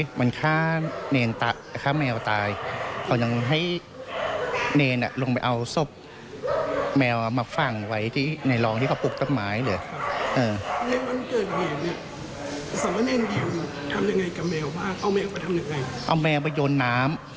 สำหรับเนรนดิวทำได้ไงกับแมวบ้างเอาแมวไปทำอันนี้ไงเอาแมวไปยนน้ำ